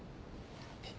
えっ？